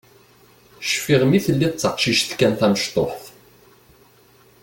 Cfiɣ mi telliḍ d taqcict kan tamecṭuḥt.